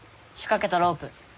仕掛けたロープ。